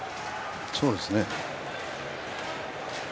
そうですね。